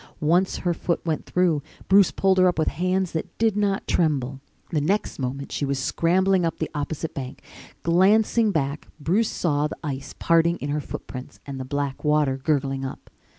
Once her foot went through, Bruce pulled her up with hands that did not tremble. The next moment she was scrambling up the opposite bank. Glancing back, Bruce saw the ice parting in her footprints and the black water gurgling up.